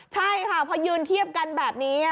ใช่ค่ะพอยืนเทียบกันแบบนี้